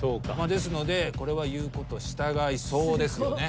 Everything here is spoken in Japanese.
ですのでこれは言うこと従いそうですよね。